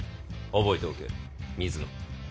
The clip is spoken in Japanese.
覚えておけ水野。